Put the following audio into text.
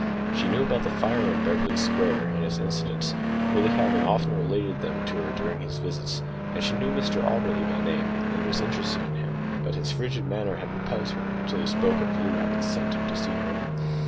She knew about the fire in Beverly Square and its incidents, Willie having often related them to her during his visits; and she knew Mr Auberly by name, and was interested in him, but his frigid manner had repelled her, until he spoke of Loo having sent him to see her.